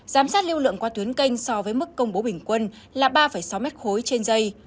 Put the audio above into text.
giám sát lưu lượng qua tuyến kênh so với mức công bố bình quân là ba sáu m ba trên dây